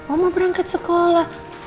oma berangkat sekolah